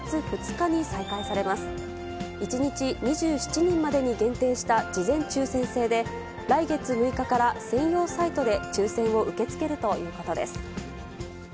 １日２７人までに限定した事前抽せん制で、来月６日から専用サイトで抽せんを受け付けるということです。